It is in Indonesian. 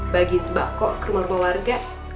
bagiin sebak kok ke rumah rumah warga